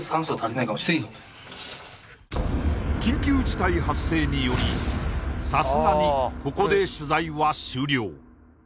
緊急事態発生によりさすがにここで取材は終了